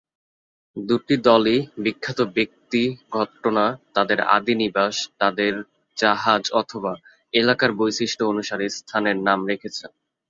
দুটি দলই বিখ্যাত ব্যক্তি, ঘটনা, তাদের আদি নিবাস, তাদের জাহাজ, অথবা এলাকার বৈশিষ্ট অনুসারে স্থানের নাম রেখেছে।